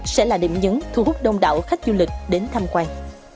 sẽ là điểm nhấn thu hút đông đảo khách du lịch đến tham quan